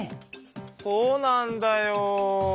そうなんだよ。